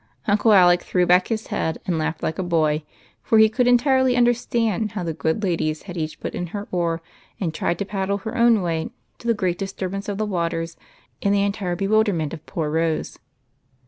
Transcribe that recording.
Uncle Alec threw back his head and laughed like a boy, for he could entirely understand how the good ladies had each put in her oar and tried to paddle her own way, to the great disturbance of the waters and the entire bewilderment of poor Rose.